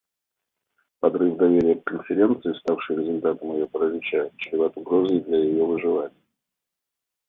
Подрыв доверия к Конференции, ставший результатом ее паралича, чреват угрозой для ее выживания.